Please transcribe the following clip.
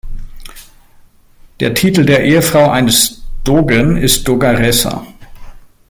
Der Titel der Ehefrau eines Dogen ist "Dogaressa".